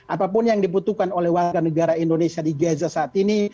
apapun yang dibutuhkan oleh warga negara indonesia di gaza saat ini